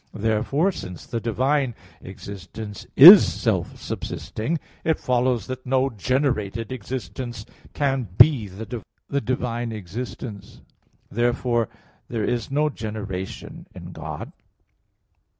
Therefore, since the divine existence is self subsisting (Q. 3, A. 4), it follows that no generated existence can be the divine existence. Therefore there is no generation in God.